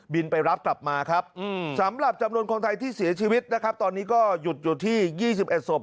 ไปรับกลับมาครับสำหรับจำนวนคนไทยที่เสียชีวิตนะครับตอนนี้ก็หยุดอยู่ที่๒๑ศพ